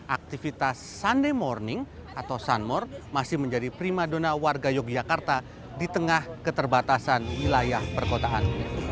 aktivitas sunday morning atau sunmore masih menjadi prima dona warga yogyakarta di tengah keterbatasan wilayah perkotaan